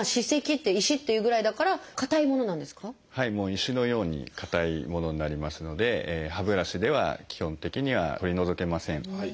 石のように硬いものになりますので歯ブラシでは基本的には取り除けません。